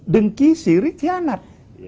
dengki siri kianat